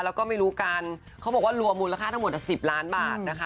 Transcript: แล้วก็ไม่รู้กันเขาบอกว่ารวมมูลค่าทั้งหมด๑๐ล้านบาทนะคะ